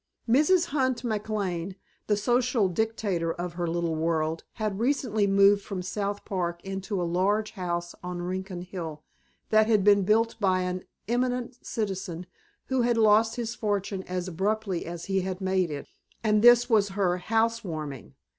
Mrs. Hunt McLane, the social dictator of her little world, had recently moved from South Park into a large house on Rincon Hill that had been built by an eminent citizen who had lost his fortune as abruptly as he had made it; and this was her housewarming.